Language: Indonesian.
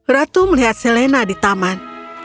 ratu melihat selena di taman